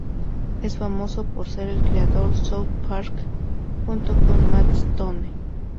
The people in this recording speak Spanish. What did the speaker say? Es famoso por ser el creador de South Park junto con Matt Stone.